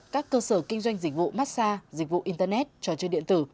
các cơ sở kinh doanh dịch vụ massage dịch vụ internet trò chơi điện tử